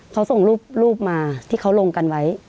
เขาส่งรูปมาที่เขาลงกันไว้